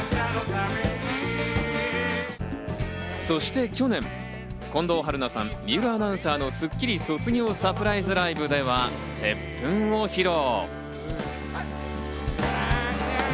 そして去年、近藤春菜さん、水卜アナウンサーのスッキリ卒業サプライズライブでは、『接吻−ｋｉｓｓ−』を披露。